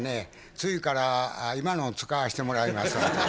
次から今のを使わしてもらいますわ。